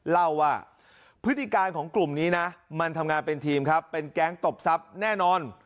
เล่าว่าพฤติการของกลุ่มนี้นะมันทำงานเป็นทีมครับเป็นแก๊งตบทรัพย์แน่นอน